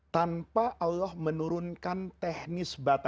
tanpa allah menurunkan teknis batas